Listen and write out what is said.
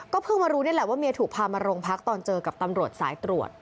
เพิ่งมารู้นี่แหละว่าเมียถูกพามาโรงพักตอนเจอกับตำรวจสายตรวจ